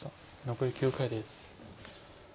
残り９回です。